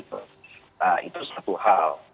nah itu satu hal